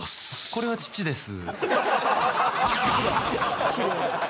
これは父です。